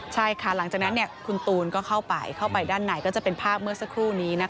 ใช่ค่ะหลังจากนั้นคุณตูนก็เข้าไปเข้าไปด้านในก็จะเป็นภาพเมื่อสักครู่นี้